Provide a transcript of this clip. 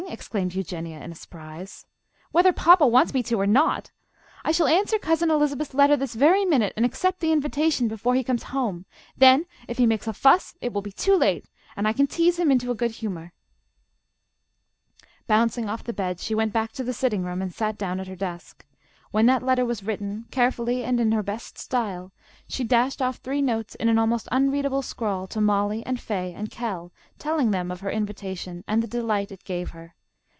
exclaimed Eugenia, in surprise. "Whether papa wants me to or not! I shall answer Cousin Elizabeth's letter this very minute and accept the invitation before he comes home. Then if he makes a fuss it will be too late, and I can tease him into a good humour." Bouncing off the bed, she went back to the sitting room and sat down at her desk. When that letter was written, carefully, and in her best style, she dashed off three notes in an almost unreadable scrawl, to Mollie and Fay and Kell, telling them of her invitation and the delight it gave her.